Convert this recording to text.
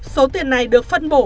số tiền này được phân bổ